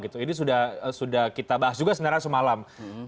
ini sudah kita bahas juga sebenarnya semalam